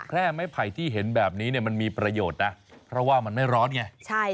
แค่ไม้ไผ่ที่เห็นแบบนี้เนี่ยมันมีประโยชน์นะเพราะว่ามันไม่ร้อนไง